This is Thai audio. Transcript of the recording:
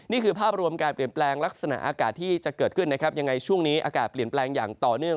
นี่คือภาพรวมการเปลี่ยนแปลงลักษณะอากาศที่จะเกิดขึ้นนะครับยังไงช่วงนี้อากาศเปลี่ยนแปลงอย่างต่อเนื่อง